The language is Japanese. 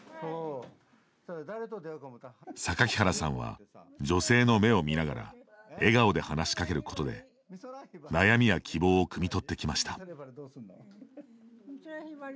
榊原さんは女性の目を見ながら笑顔で話しかけることで悩みや希望をくみ取ってきました。